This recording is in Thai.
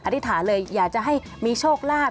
อธิษฐานเลยอยากจะให้มีโชคลาภ